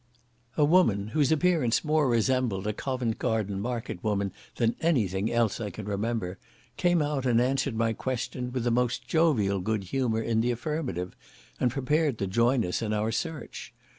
A woman, whose appearance more resembled a Covent Garden market woman than any thing else I can remember, came out and answered my question with the most jovial good humour in the affirmative, and prepared to join us in our search.